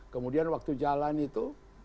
kemudian waktu jalan itu